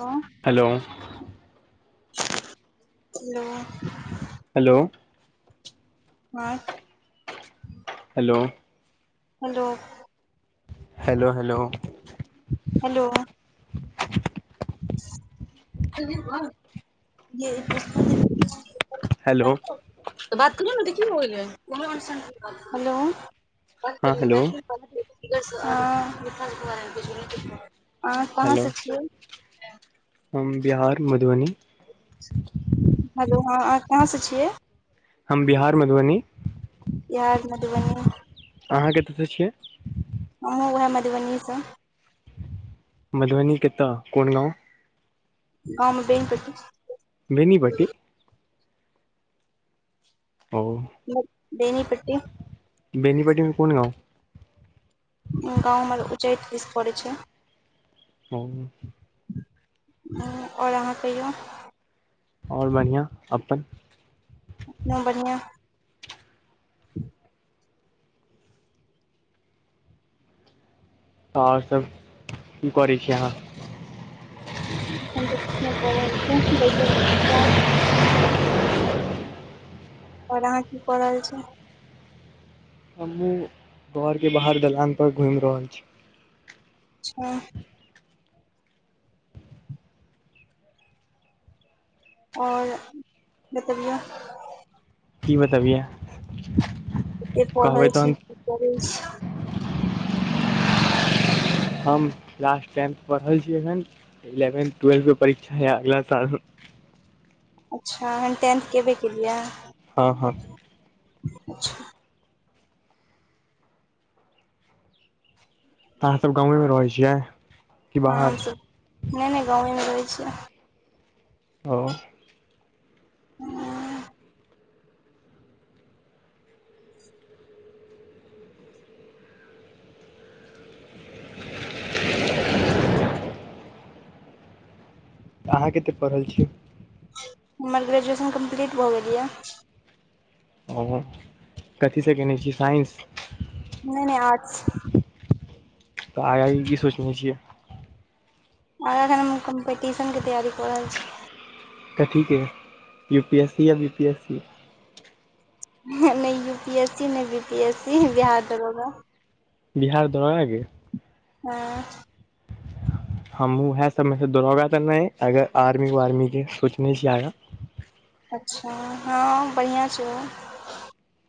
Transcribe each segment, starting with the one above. ह hello [unintelligible] hello [unintelligible] hello आँय [unintelligible] hello hello hello hello hello [unintelligible] बात हेलो करयो नऽ देखियो लऽ ओय लेल हेलो। हँ हेलो हँ आहाँ कहाँ हेलो से छियै हम बिहार मधुबनी हेलो हँ अहाँ कहाँ से छियै हम बिहार मधुबनी बिहार मधुबनी अहाँ कतयसँ छियै हमहुँ वएह मधुबनीसँ मधुबनी केत्त कोन गाँव [unintelligible] बेनीबट्टी ओ मतलब बेनीपट्टी बेनीपट्टी मे कोन गाँव गाँव हमर उच्चैठ दिस पड़ै छै ओ [unintelligible] आओर अहाँ कहियौ आओर बढ़ियाँ अपन अपनो बढ़ियाँ आओर सब की करै छियै अहाँ [unintelligible] आओर अहाँ की कऽ रहल छी हमहुँ घर के बाहर दलान पर घुमि रहल छी अच्छा आओर बतबियौ की बतबियै की की पढ़ै कहबै छी तहन की करै छी हम क्लास टेंथ पढ़ै छी एखन इलेवन ट्वेल्थ के परीक्षा हय अगला साल अच्छा हम टेंथ केबे केलियैये हँ हँ तऽ आहाँ सब गाँवेमे रहै छियै कि हँ बाहर हमसभ नहि नहि गाँवेमे रहै छियै ओ हूंम्म [inaudible] अहाँ केतेक पढ़ल छियै हमर ग्रेजुएशन कम्प्लीट भऽ गेल ये ओ कथीसँ केने छी साइंस नै नै आर्ट्स तऽ आगाँ के की सोचने छियै आर एखन हम कम्पीटिशन के तैयारी कऽ रहल छी कथीके यू पी एस सी या बी पी एस सी नहि यू पी एस सी नहि B P S C Bihar दरोगा बिहार दरोगा के हँ हमहूँ वैहै सबमे से दरोगा तऽ नै अगर आर्मी वार्मी के सोचने छी आगाँ अच्छा हँ बढ़िआँ छी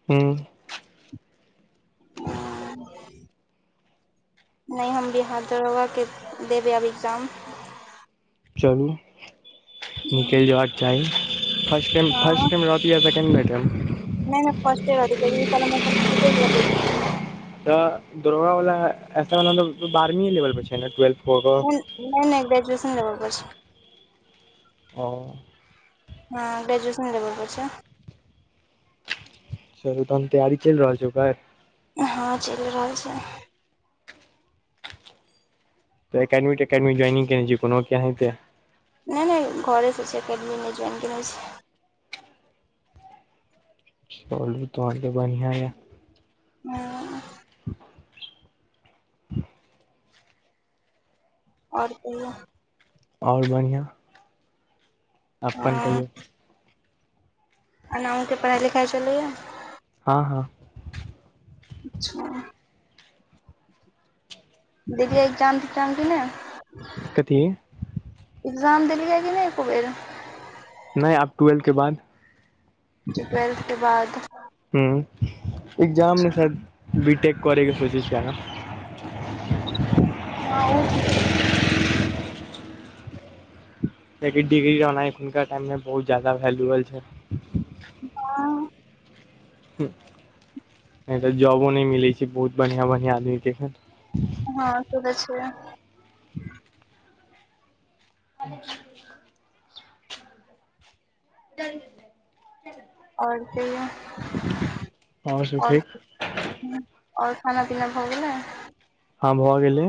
हूं [unintelligible] आ [unintelligible] नहि हम बि हाथ दरोगाके देबै आब एग्जाम चलू निकलि [unintelligible] जबाक चाही फर्स्ट टाइम हँ फर्स्ट टाइम रहत ई सेककेणडटर [inaudible] नहि नहि फस्टे तऽ दौरोगा वाला ऐसा बारहवीए लेवल पर छै ने ट्वेलथ नहि नहि नहि ग्रजुएशन लेबल प छै ओं हँ ग्रेजुएशन लेबल पर छै चलू तहन तैयारी चलि रहल छै उपर हँ चलि [inaudible] रहल छै तऽ एकेडमी तटेडमी ज्वाइनिंग केने छी को के हते नहि नहि घरेसँ छै एकेडमी नहि ज्वाइन केने छै चलू तोहर तऽ बढ़िया य [inaudible] यं [unintelligible] और कहियौ आओर बढ़िया अपन हँ कहियौ अना ओे पढ़ाई लिखाइ चलैए हँ हँ अच्छा [inaudible] देखियऔ एक्जाम [inaudible] ठ्जाम कि नहि कथी एकग्जाम [inaudible] देलियै कि नहि एको बेर नहि आब ट्वेल्थ के बाद [unintelligible] ट्वेल्थ के बाद हूं एकग्जाम मे शायद बी टेक करैके सोचे छि आहा [unintelligible] हँ ओ त तैके डिग्री रहना हुनका टाइम मे बहुत जादा भेल्युअल छै आंय नै तऽ जॉबो नहि मिलै छै बहुत बढ़ियां बढ़िया आदमी के हँ चले छै अच्छा [unintelligible] चल जेतैय [unintelligible] और [unintelligible] कहियो आओर सब ओर ठीक ह आओर [unintelligible] खाना पीना भऽ गेल ने आ भऽ गेलै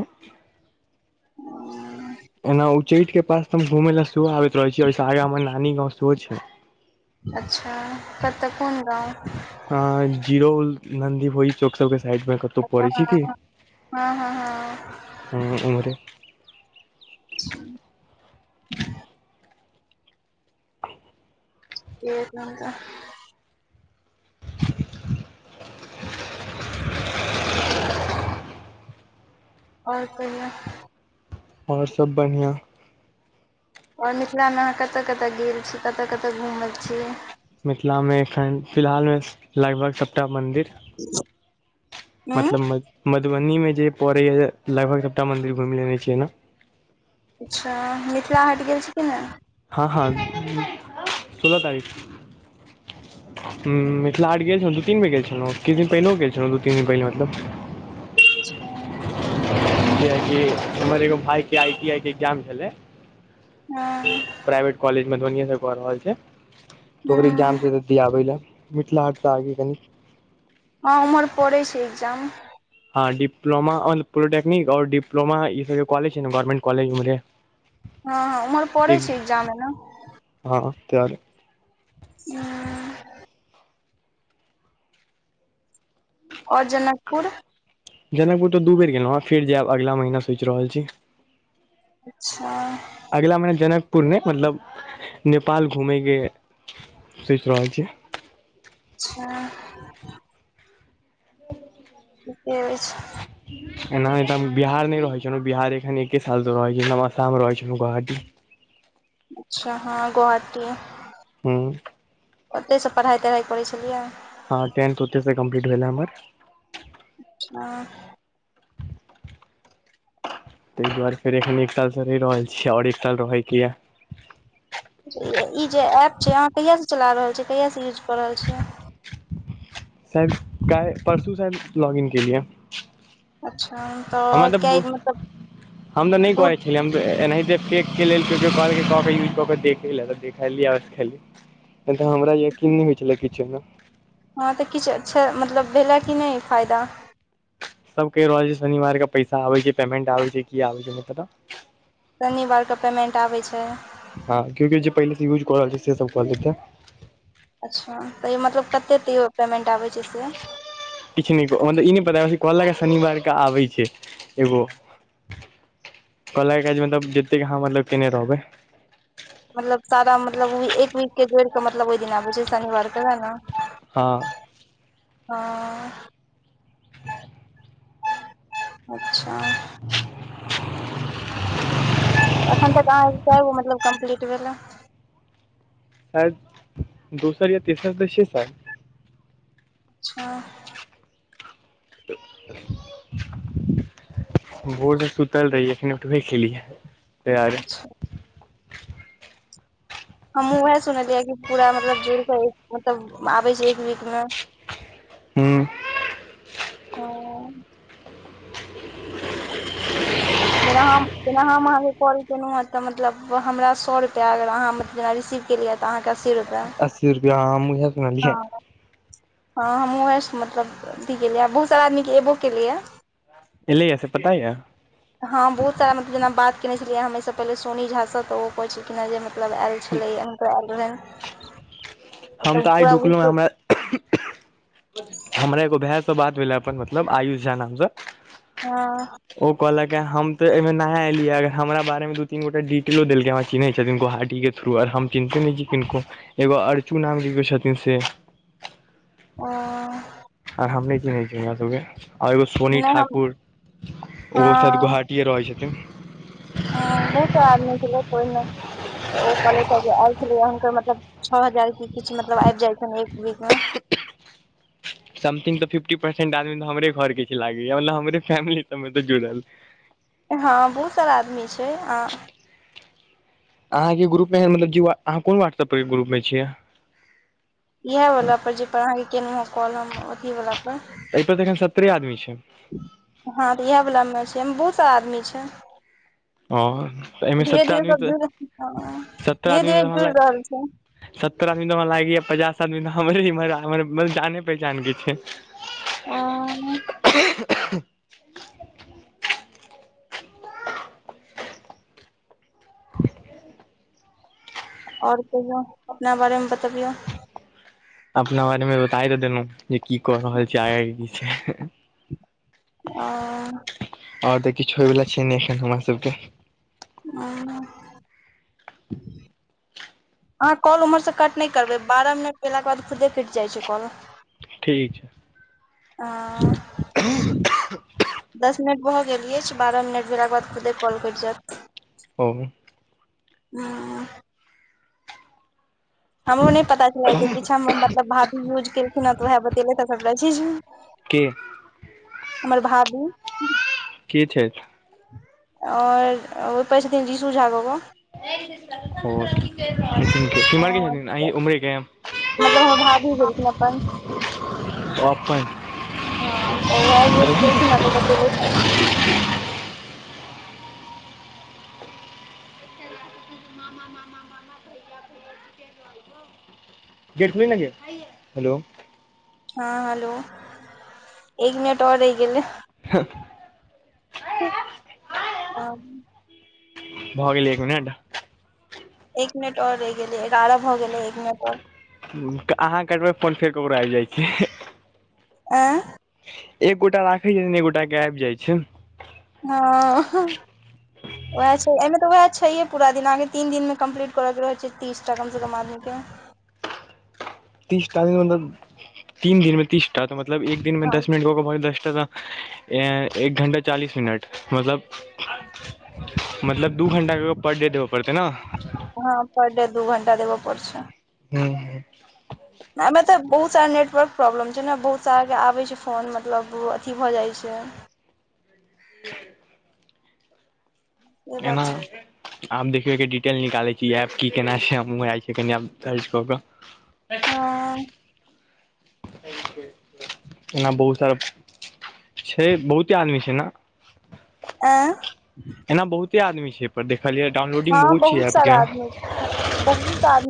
[unintelligible] औं ओना उच्चैठ के पास त हम घूमे ला सेहो आबैत रहैत छी ओए से आगाँ हमर नानी गाँव सेहो छै अच्छा कत कोन गांव हां जीरो नन्दीपई चौक सब के साइड मे कतौ तू पढ़ै छै कि हँ हँ हँ हँ हँ ओम्हरे अच्छा [unintelligible] एखन त और कहियौ [unintelligible] आओर सब बढ़िया और मिथिला मे अहाँ कतए कतए गेल छी कतय कतय घुमल छी मिथिला मे एखन फिलहाल मे लगभग सबटा मंदिर [inaudible] मतलब मधुबनी मे जे पड़ै ये लगभग सबटा मंदिर घुमि लेने छी ओना अच्छा मिथिला हाट गेल छी की नै हँ हँ सोलह तारीख मिथिला आट गेल छलहुँ दू तीन बेर गेल छलहुँ किछु दिन पहिनेहो गेल छलहुँ दू तीन दिन पहिने मतलब अच्छा कियेकी हमर एगो भाय के आई टी आई के एग्जाम छेलै हँ प्राइवेट कॉलेज मधुबनियें से कऽ रहल छै तऽ ओकर इक्जाम हूँ छै तऽ दियाबै लए मिथिला हाटसँ आगु कनी हँ उम्हर पड़ै छै एग्जाम हँ डिप्लोमा औ पोलिटेक्निक डप्लोमा ई सब कॉलेज छै ने गवर्नमेंट कॉलेज उम्हरे हँ हँ उम्हर परै छै एग्जाम एना हँ तैं [unintelligible] उंम्म और जनकपुर जनकपुर तऽ दू बेर गेलहुँ हें फेर जाएब अगिला महीना सोचि रहल छी अच्छा अगिला महिना जनकपुर नै मतलब नेपाल घूमेैके सोंचि रहल छियै अच्छा ठिके अछि एना नहि तऽ हम बिहार नहि रहै छलौं बिहार एखन एके साल सँ रहै छी असाम रहै छेलौं गोआहाटी अच्छा हँ गोआहाटी हूंम्म ओतयसँ पढ़ाइ तढ़ाइ करै छेलियै हँ टेंथ ओतेसँ कम्प्लीट भेले हमर अच्छा ताहि दुआरे फेर एखन एक साल सँ रहि रहल छियै आओर एक साल रहैके ये [unintelligible] ई जे एप छै अहाँ कहियासँ चला रहल छियै कहियासँ यूज कऽ रहल छियै साइद काल्हि परसू सँ लॉगिन केलियै अच्छा हमरा तऽ किया बु मतलब हम तऽ नहि दू करै छे लियै हम एनाहिते फेक के लेल यूज कऽ के देखैले तऽ देखलियै आओर सिखलियै नहि तऽ हमरा यकीन नहि होइ छलै किछो मे हँ तऽ किछु अच्छा मतलब भेलै कि नहि फायदा सब कहि रहल छै शनिवार के पैसा आबै छै पेमेंट आबै छै की आबै छै नहि पता शनिवारके पेमेन्ट आबै छै हँ क्यो क्यो जे पहिले से यूज कऽ रहल छैथ से सब कहलैथ अ अच्छा तऽ ई मतलब कतेक तैयो पेमेंट आबैत छै से किछु नहि मतलब ई नहि पता कहलक ये शनिवार के आबै छै एगो कहलक ये जे मतलब जतेक अहाँ मतलब केने रहबै मतलब सारा मतलब एक वीक के जोड़ि क मतलब ओहि दिन आबै छै शनिवारके है ने हँ हँ [inaudible] अच्छा एखन तक अहाँके कैगो मतलब कम्प्लीट भेले साइद दोसर या तेसर तऽ छैे साइद छा [inaudible] भोर स सुतल रहि अखने उठबै खेलियै तैयार अच्छा हमहु उएह सुनलियै कि पूरा मतलब जोड़ कऽ मतलब आबै छैय एक वीक मे हूं ह जेना हम जेना हम अहाँके कॉल केलहुँ हेँ तऽ मतलब हमरा सए रुपैआ अगर अहाँ जेना रिसीव केलियेय तऽ आँहां के अस्सि रुप अस्सी रुपया हम उहे हँ ह हमहु उहे से मतलब अथी केलियै बहुत सारा आदमीे एबो केलिय य। ऐलैया से पता य? हँ बहुत सारा मतलब जेना बात केने छलियै हमे सब पहिले सोनी झाँ तऽ ओ कहे छलख ह जे मतलब आयल छलै या हुनकर आयल रहै। ओकर हमर एगो भयसँ बात भेला अपन मतलब आयुष झा नामसँ हँ ओ कहलक ह हम तऽ एहिमे ना एलियैग हमरा बारे मे दू तीन गोटा डिटेलो देलकै हम चिन्हैत छथिन गोहाटी के थ्रू आर हम चिन्ते नहि छी किनको एगो अर्चू नाम क कियो छथिन से ओ आर हम नहि चिन्है छीह सब आर एगो सोनी नहि हम ठाकुर ओ साइद हँ गोहा किये रहै छथिन। हँ बहुत आदमी छलै पहिमे ओ पले आयल छलै हुनकर मतलब छओ हजार की किछु मतलब आबि जाय छै एक वीक मे समथिंग तऽ फिफ्टी परसेंट आदमी तऽ हमरे घर के छैय लागय मतलब हमरे फैमिली सब मे तऽ जुड़ल। हँ बहुत सारा आदमी छैय। अहाँ के ग्रुप मे मतलब जह कोन व्हट्सप के ग्रुप मे छियै? इहे वाला पर जे पर अहाँके केलहु हं कॉल हम अथी वाला पर। एहि पर तऽ एखन सतरे आदमी छैय। हँ तऽ इएह वला मे छैय बहुत सा आदमी छैय। हँ तऽ एहिमे धीरे सत्रह धीरे आदमी सब तऽ जुड़ सत्रह धीरे आदमीमे धीरे तऽ जुड़ हमरा रहल छैय। सत्तर आदमी तऽ हमरा लागि पचास आदमी हमर म जान पहिचान के छैय। ओ [inaudible] आओर कहियौ अपना बारेमे बतबियौ। अपना बारे मे बताये तऽ देलहुँ जे की कऽ रहल छैय आगे की छैय? ओ आओर तऽ किछु होय वला छैय ने एखन हमरा सबके। ओ अहाँ कॉल उम्हरसँ कट नहि करबै बारह मिनट भेलाके बाद खुदे कटि जाइ छैय कॉल। ठीक छैय। दस मिनट भऽ गेल अछि बारह मिनट भेलाके बाद खुदे कॉल कटि जायत। ओ हुं हमरो नहि पता छला एते किछ हम मतलब भाभी यूज केलखिन हँ तऽ ओएह बतेेलै तऽ सबटा चीज। कि हमर भाबू की छैथ? आओर कहे छथिन रीशु झा क क। ओ ओ के छथिन तऽ अहीं उम्हरे के मतलब हमर भाभी भेलखिन अपन। अपन हँ तऽ वैह यूज केलखिन ह त बतेलैथ ह। गेट खोलहि न गे हेलो हँ हेलो एक मिनट आओर रहि गेल हेंह ओ [inaudible] भऽ गेलै एक मिनट एक मिनट और रहि गेलैये एगारह भऽ गेलेै एक मिनट आओर अहाँ कटबै फोन फेर ककरो आबि जाइ छै ऐं एक गोटा राखै छथिन एक गोटा के आबि जाइ छै ओ वएह छै एहिमे तऽ उएह छैे पूरा दिन अहाँके के तीन दिन मे कम्प्लीट करय के रहैत छै तीसटा कम से कम आदमी के तीसटा मतलब तीन दिन मे तीसटा तऽ मतलब एक दिन मे हँ दस मिनट कऽ के भऽ गेल दसटा तऽ ऐं एक घण्टा चालीस मिनट मतलब मतलब दू घण्टा कऽ कऽ परडे देबय पड़तै ने हँ पर डे दू घंटा देबए पड़ै छै हूंम्म एहिमे तऽ बहुत सारा नेटवर्क प्रॉब्लम छै ने बहुत साराके आबैत छै फोन मतलब अथी भऽ जाइत छै [inaudible] से एना बात छै आब देखियौ अइके डिटेल निकालै छी एप की केना छै हमहुँ एल छियै कनि आब सर्च कऽ क हँ एना बहुत सारा छै बहुते आदमी छै ने ऐं एना बहुते आदमी छै एहिपर देखलियै डाउनलोडिंग हँ बहुत छै एप सारा के आदमी बहुत आदमी